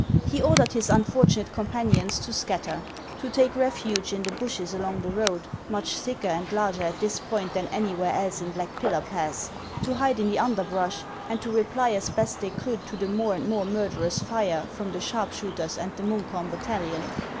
He ordered his unfortunate companions to scatter, to take refuge in the bushes along the road, — much thicker and larger at this point than anywhere else in Black Pillar Pass, — to hide in the underbrush, and to 398 HANS OF ICELAND. reply as best they could to the more and more murderous fire from the sharpshooters and the Munkholm battalion.